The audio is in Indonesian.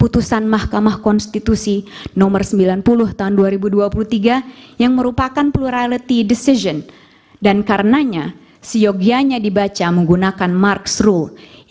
tahun dua ribu dua puluh tiga yang merupakan plurality decision dan karenanya siogianya dibaca menggunakan marx rule